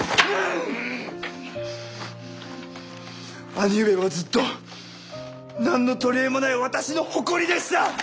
兄上はずっと何の取り柄もない私の誇りでした！